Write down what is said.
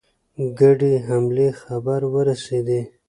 ګډې حملې خبر ورسېدی.